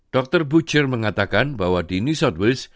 dr butcher mengatakan bahwa di new south wales